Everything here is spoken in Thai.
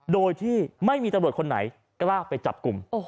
โดยที่ไม่มีตำรวจคนไหนกล้าไปจับกลุ่ม